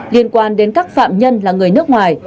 liên quan đến các phạm nhân là người nước ngoài